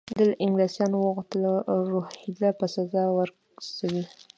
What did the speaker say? ده له انګلیسیانو وغوښتل روهیله په سزا ورسوي.